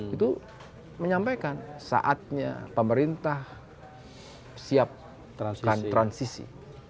itu menyampaikan saatnya pemerintah siapkan transisi